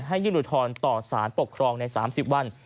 ยื่นอุทธรณ์ต่อสารปกครองใน๓๐วัน